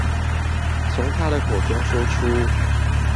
從他的口中說出